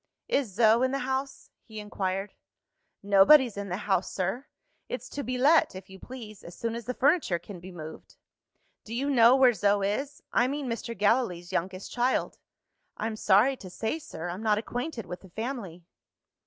"Is Zo in the house?" he inquired. "Nobody's in the house, sir. It's to be let, if you please, as soon as the furniture can be moved." "Do you know where Zo is? I mean, Mr. Gallilee's youngest child." "I'm sorry to say, sir, I'm not acquainted with the family."